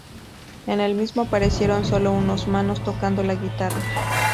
En el mismo aparecieron sólo sus manos tocando la guitarra.